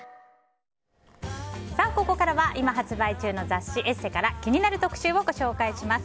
ここからは、今発売中の雑誌「ＥＳＳＥ」から気になる特集をご紹介します。